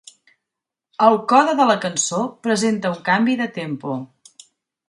El coda de la cançó presenta un canvi de tempo.